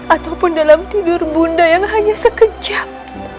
ataupun dalam tidur bunda yang hanya sekejap